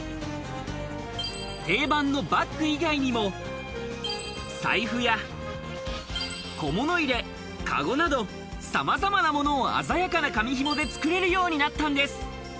定番のバッグ以外にも、財布や小物入れ、かごなど様々なものを鮮やかな紙紐でつくれるようになったんです。